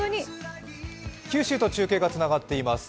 九州と中継がつながっています。